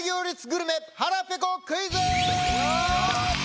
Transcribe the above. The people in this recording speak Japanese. グルメ腹ぺこクイズ！